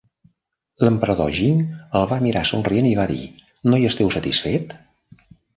L'emperador Jing el va mirar somrient i va dir: No hi esteu satisfet?